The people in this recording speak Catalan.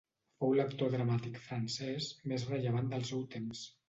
Fou l'actor dramàtic francès més rellevant del seu temps.